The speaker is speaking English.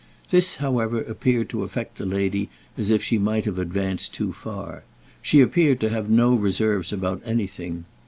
This, however, appeared to affect the lady as if she might have advanced too far. She appeared to have no reserves about anything.